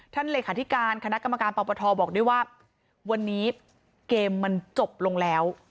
เลขาธิการคณะกรรมการปปทบอกด้วยว่าวันนี้เกมมันจบลงแล้ว